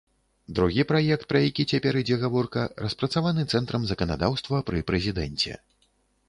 Другі праект, пра які цяпер ідзе гаворка, распрацаваны цэнтрам заканадаўства пры прэзідэнце.